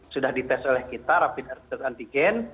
sudah di tes oleh kita rapid antigen